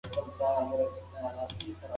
په فضا کې د لمر رڼا هیڅکله نه ورکیږي.